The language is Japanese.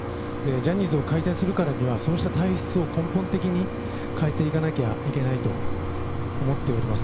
ジャニーズを解体するからには、そうした体質を根本的に変えていかなきゃいけないと思っております。